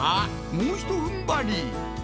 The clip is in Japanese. もうひと踏ん張り！